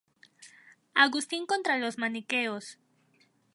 Agustín, contra los maniqueos.